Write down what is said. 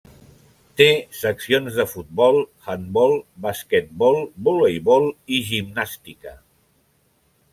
Té seccions de futbol, handbol, basquetbol, voleibol i gimnàstica.